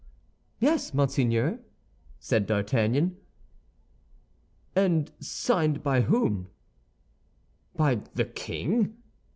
"Yes, monseigneur," said D'Artagnan. "And signed by whom—by the king?"